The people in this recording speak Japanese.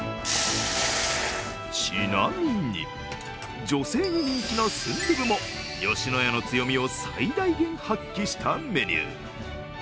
ちなみに、女性に人気のスンドゥブも吉野家の強みを最大限発揮したメニュー。